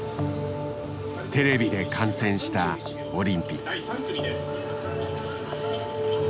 テレビで観戦したオリンピック。